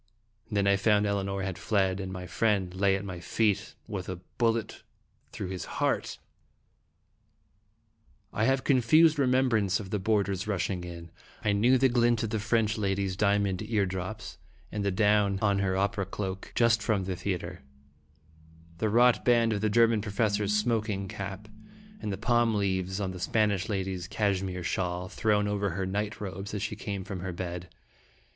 Then I found Elinor had fled, and my friend lay at my feet with a bullet through his heart ! I have a confused remembrance of the board ers rushing in. I knew the glint of the French lady's diamond ear drops, and the down on her opera cloak, just from the theatre, the wrought band of the German professor's smoking cap, and the palm leaves on the Spanish lady's cashmere shawl, thrown over her night robes as she came from her bed.